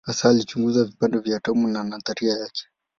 Hasa alichunguza vipande vya atomu na nadharia yake.